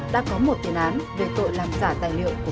đã có một tiền án về tội làm giả tài liệu